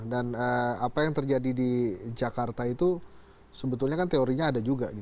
dan apa yang terjadi di jakarta itu sebetulnya kan teorinya ada juga